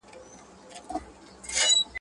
اور په اور وژل کېږي.